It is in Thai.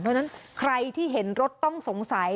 เพราะฉะนั้นใครที่เห็นรถต้องสงสัย